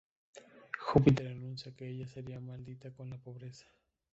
Júpiter anuncia que ella será maldita con la pobreza.